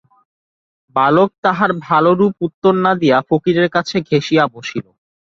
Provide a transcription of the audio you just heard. বালক তাহার ভালোরূপ উত্তর না দিয়া ফকিরের কাছে ঘেঁষিয়া বসিল।